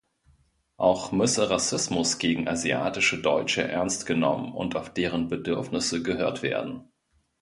Auch müsse Rassismus gegen asiatische Deutsche ernst genommen und auf deren Bedürfnisse gehört werden.